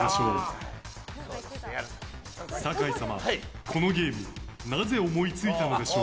酒井様、このゲームなぜ思いついたのでしょう？